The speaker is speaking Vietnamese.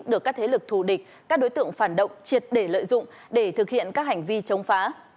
được các thế lực thù địch các đối tượng phản động triệt để lợi dụng để thực hiện các hành vi chống phá